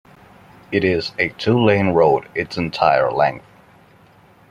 It is a two-lane road its entire length.